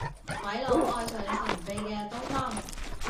鬼佬愛上神秘嘅東方